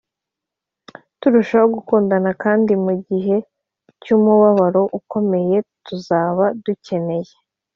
turushaho gukundana kandi mu gihe cy umubabaro ukomeye tuzaba dukeneye